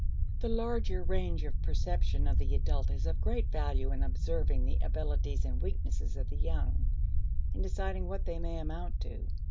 The larger range of perception of the adult is of great value in observing the abilities and weaknesses of the young, in deciding what they may amount to.